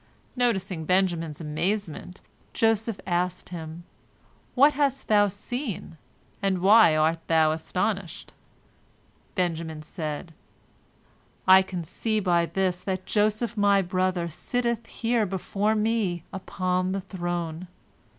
Noticing Benjamin's amazement, Joseph asked him, "What hast thou seen, and why art thou astonished?" Benjamin said, "I can see by this that Joseph my brother sitteth here before me upon the throne."